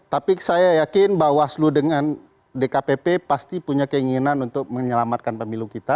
tapi saya yakin bawaslu dengan dkpp pasti punya keinginan untuk menyelamatkan pemilu kita